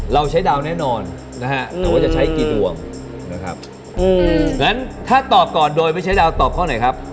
เราใช้ดาวแน่นอนนะฮะแต่ว่าจะใช้กี่ดวงนะครับงั้นถ้าตอบก่อนโดยไม่ใช้ดาวตอบข้อไหนครับ